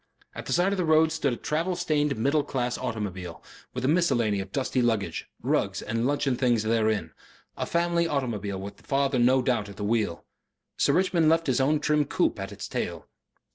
At the side of the road stood a travel stained middle class automobile, with a miscellany of dusty luggage, rugs and luncheon things therein a family automobile with father no doubt at the wheel. Sir Richmond left his own trim coupe at its tail.